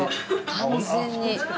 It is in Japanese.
完全に。